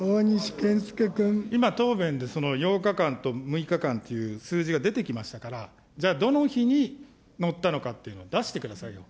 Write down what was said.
今、答弁でその８日間と６日間という数字が出てきましたから、じゃあどの日に乗ったのかっていうのを出してくださいよ。